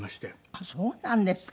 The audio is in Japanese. あっそうなんですか。